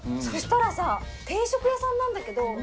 そしたらさ定食屋さんなんだけど。